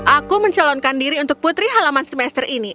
aku mencalonkan diri untuk putri halaman semester ini